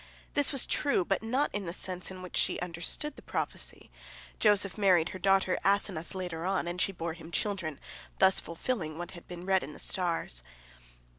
This was true, but not in the sense in which she understood the prophecy. Joseph married her daughter Asenath later on, and she bore him children, thus fulfilling what had been read in the stars."